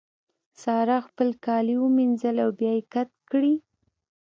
سارا خپل کالي ومينځل او بيا يې کت کړې.